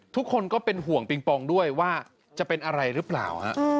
ทุกคนก็เป็นห่วงปิงปองด้วยว่าจะเป็นอะไรหรือเปล่า